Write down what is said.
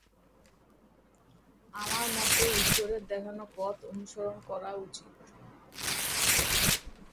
আমার মতে ঈশ্বরের দেখানো পথ অনুসরণ করা উচিত।